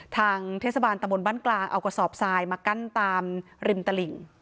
ทางเทศบาลตะบนบ้านกลางเอากระสอบทรายมากั้นตามริมตลิ่ง